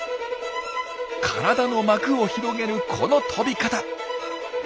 体の膜を広げるこの飛び方。